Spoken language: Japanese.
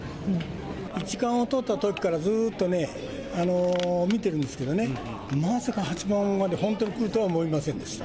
一冠をとったときから、ずっとね、見てるんですけどね、まさか八冠まで本当にくるとは思いませんでした。